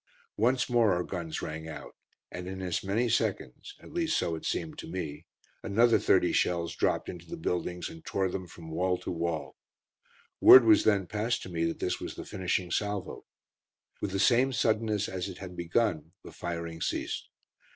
Once more our guns rang out, and in as many seconds at least so it seemed to me another thirty shells dropped into the buildings and tore them wall from wall. Word was then passed to me that this was the finishing salvo. With the same suddenness as it had begun, the firing ceased.